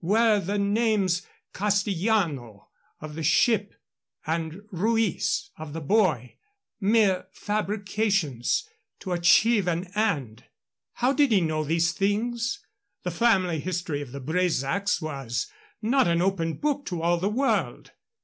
Were the names Castillano, of the ship, and Ruiz, of the boy, mere fabrications, to achieve an end? How did he know these things? The family history of the Bresacs was not an open book to all the world.